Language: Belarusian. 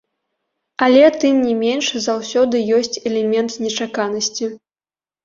Але тым не менш заўсёды ёсць элемент нечаканасці.